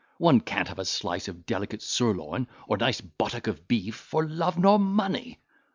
One can't have a slice of delicate sirloin, or nice buttock of beef, for love nor money.